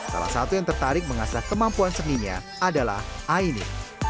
salah satu yang tertarik mengasak kemampuan seninya adalah a ini